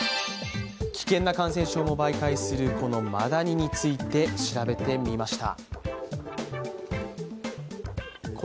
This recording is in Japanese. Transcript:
危険な感染症も媒介するマダニについて調べてみました。